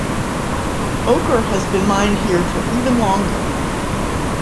Ochre has been mined here for even longer.